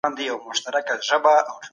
کوم خلګ زموږ پر شونډو ریښتیني خندا راولي؟